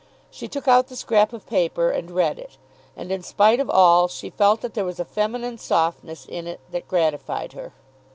She took out the scrap of paper and read it; and, in spite of all, she felt that there was a feminine softness in it that gratified her.